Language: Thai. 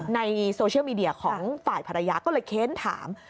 ในโซเชียลมีเดียของฝ่ายภรรยาก็เลยเค้นถาม